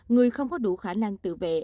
người không có đủ khả năng tự vệ